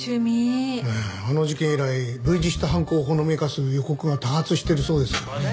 あの事件以来類似した犯行をほのめかす予告が多発してるそうですからね。